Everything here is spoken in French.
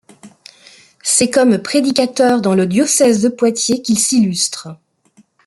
C’est comme prédicateur dans le diocèse de Poitiers qu’il s’illustre.